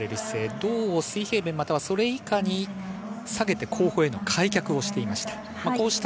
胴を水平面、それ以下に下げて、後方への開脚をしていました。